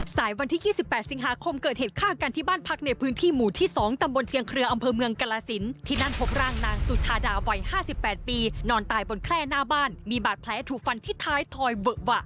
วันที่๒๘สิงหาคมเกิดเหตุฆ่ากันที่บ้านพักในพื้นที่หมู่ที่๒ตำบลเชียงเครืออำเภอเมืองกรสินที่นั่นพบร่างนางสุชาดาวัย๕๘ปีนอนตายบนแคล่หน้าบ้านมีบาดแผลถูกฟันที่ท้ายถอยเวอะวะ